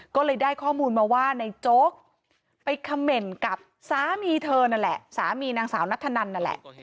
ก็เลยได้ข้อมูลมาว่าในโจ๊กไปคำเมนต์กับสามีเธอนั่นแหละสามีนางสาวนัทธนันนั่นแหละ